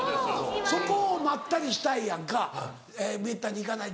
そこをまったりしたいやんかめったに行かない旅行で。